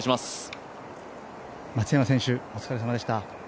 松山選手、お疲れさまでした。